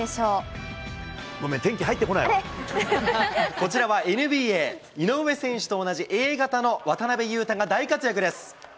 こちらはＮＢＡ、井上選手と同じＡ型の渡邊雄太が大活躍です。